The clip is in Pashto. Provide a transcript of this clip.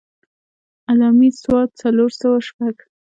علّامي ص څلور سوه شپږ.